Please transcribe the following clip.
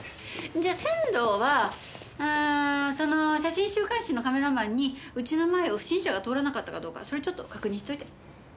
じゃあ仙堂はうーんその写真週刊誌のカメラマンにうちの前を不審者が通らなかったかどうかそれちょっと確認しといて。